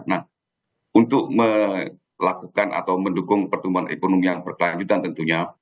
nah untuk melakukan atau mendukung pertumbuhan ekonomi yang berkelanjutan tentunya